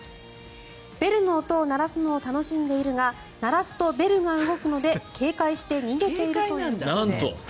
ベルの音を鳴らすのを楽しんでいるが鳴らすとベルが動くので警戒して逃げているということです。